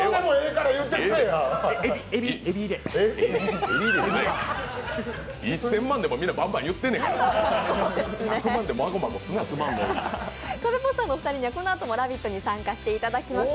カベポスターのお二人には、このあとも「ラヴィット！」に参加していただきます。